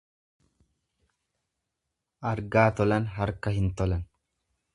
Argaa tolan harka hin tolan.